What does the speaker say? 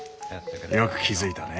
よく気付いたね。